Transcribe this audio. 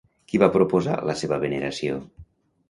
Qui va proposar la seva veneració?